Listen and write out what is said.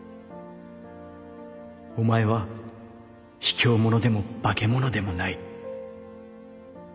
お前はひきょう者でも化け物でもない。